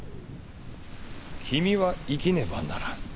君は生きねばならん。